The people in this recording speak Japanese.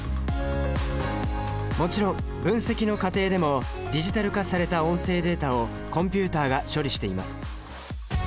もちろん分析の過程でもディジタル化された音声データをコンピュータが処理しています。